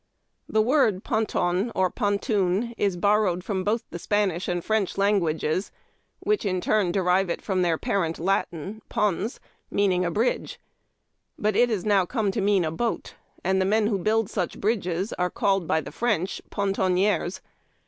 The word ponton, or pontoon, is borrowed from both the S^janish and French lan guages, which, in turn, derive it from the parent Latin, po^is^ CITEVAUX DE FRISE. 382 HARD TACK AND COFFEE. meaning a bridge, but it has now come to mean a boat, and the men who build sueli bridges are called by the French poiitouiers.